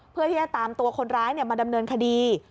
เพื่อที่จะตามตัวคนร้ายมาดำเนินคดี